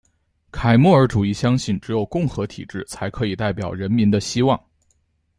凯末尔主义相信只有共和体制才可以代表人民的希望。